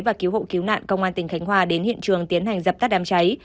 và cứu hộ cứu nạn công an tỉnh khánh hòa đến hiện trường tiến hành dập tắt đám cháy